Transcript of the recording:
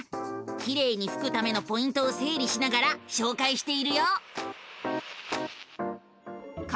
きれいにふくためのポイントをせいりしながらしょうかいしているよ！